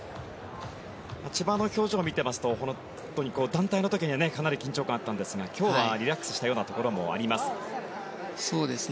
千葉の表情を見ていますと団体の時にはかなり緊張感があったんですが今日はリラックスしたようなところもあります。